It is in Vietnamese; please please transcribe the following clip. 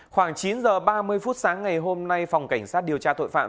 khoảng chín h ba mươi phút sáng ngày hôm nay phòng cảnh sát điều tra tội phạm